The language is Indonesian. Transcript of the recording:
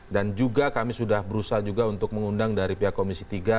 dan juga kami sudah berusaha juga untuk mengundang dari pihak komisi tiga